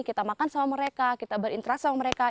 kita makan sama mereka kita berinteraksi sama mereka